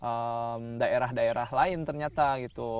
atau daerah daerah lain ternyata gitu